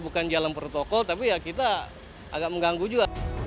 bukan jalan protokol tapi ya kita agak mengganggu juga